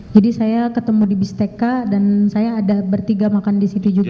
jadi saya ketemu di bisteka dan saya ada bertiga makan disitu juga